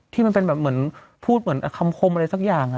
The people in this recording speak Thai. ที่เป็นแบบเหมือนพูดเหมือนคำคมอะไรสักอย่าง